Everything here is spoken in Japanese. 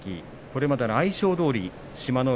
これまでの相性どおり、志摩ノ